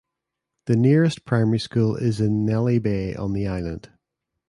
The nearest primary school is in Nelly Bay on the island.